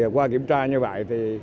qua kiểm tra như vậy thì